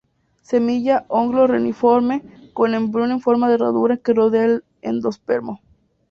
Semilla oblongo-reniforme, con embrión en forma de herradura que rodea el endospermo.